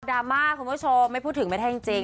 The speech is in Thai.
ราม่าคุณผู้ชมไม่พูดถึงไม่ได้จริง